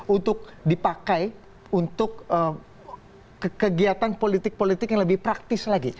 untuk dipakai untuk kegiatan politik politik yang lebih praktis lagi